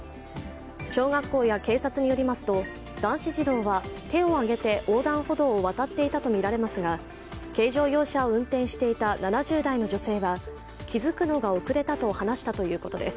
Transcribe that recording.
小学校や警察によりますと、男子児童は手を上げて横断歩道を渡っていたとみられますが軽乗用車を運転していた７０代の女性は気づくのが遅れたと話したということです。